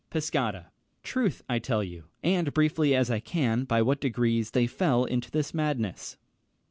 Pescara. Troth, I'll tell you, And briefly as I can, by what degrees They fell into this madness.